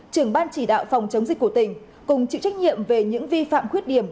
trưởng ban chỉ đạo phòng chống dịch của tỉnh cùng chịu trách nhiệm về những vi phạm khuyết điểm